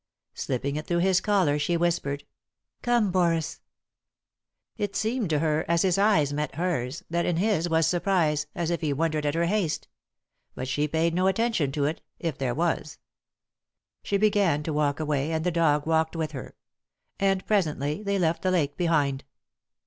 Slipping it through his collar, she whispered :" Come, Boris 1 " It seemed to her, as his eyes met hers, that in his was surprise, as if he wondered at her haste. But she paid no attention to it, if there was. She began to walk away; and the dog walked with her. And, presently, they left the lake behind.